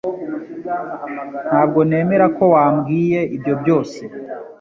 Ntabwo nemera ko wabwiye ibyo byose